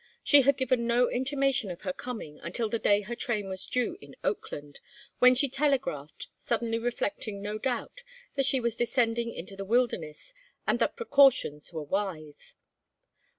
She had given no intimation of her coming until the day her train was due in Oakland, when she telegraphed, suddenly reflecting, no doubt, that she was descending into the wilderness and that precautions were wise.